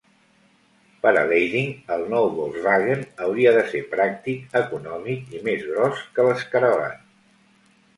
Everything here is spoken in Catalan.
Per a Leiding, el nou Volkswagen hauria de ser pràctic, econòmic i més gros que l'Escarabat.